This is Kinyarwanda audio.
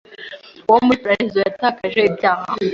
uwo muri paradizo Yatakaje ibyaha